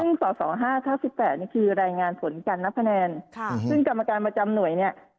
ซึ่งส่อส่อห้าทับสิบแปดเนี่ยคือรายงานผลการณ์รับคะแนนค่ะซึ่งกรรมการประจำหน่วยเนี้ย